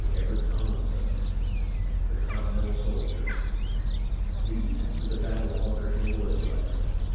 CHAPTER VIII THE CONTINENTAL SOLDIERS The effect of the battle of Bunker Hill was electric.